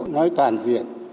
nói toàn diện